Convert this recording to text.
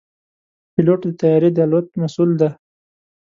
پيلوټ د طیارې د الوت مسؤل دی.